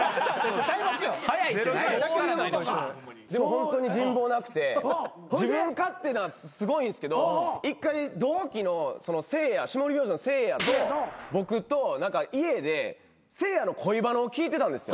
ホントに人望なくて自分勝手なすごいんですけど一回同期の霜降り明星のせいやと僕と家でせいやの恋バナを聞いてたんですよ。